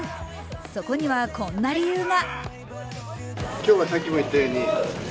そこには、こんな理由が。